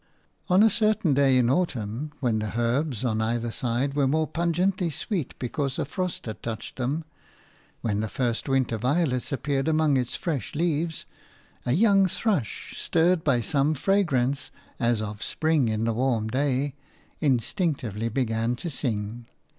On a certain day in autumn, when the herbs on either side were more pungently sweet because a frost had touched them, when the first winter violet appeared among its fresh leaves, a young thrush, stirred by some fragrance as of spring in the warm day, instinctively began to sing.